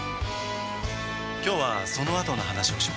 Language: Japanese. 今日はその後の話をします。